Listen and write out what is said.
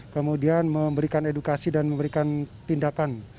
kemudian memberikan edukasi dan memberikan tindakan